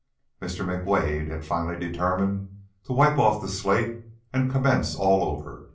Mr. McWade had finally determined to wipe off the slate and commence all over.